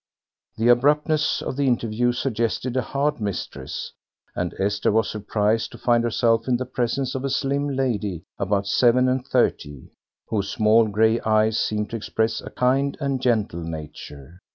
The abruptness of the interview suggested a hard mistress, and Esther was surprised to find herself in the presence of a slim lady, about seven and thirty, whose small grey eyes seemed to express a kind and gentle nature.